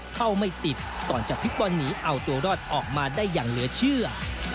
เข้าไม่ติดก่อนจะพลิกบอลหนีเอาตัวรอดออกมาได้อย่างเหลือเชื่อ